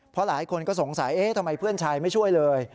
เพราะหลายคนก็สงสัยเอ๊ะทำไมเพื่อนชายไม่ช่วยเลย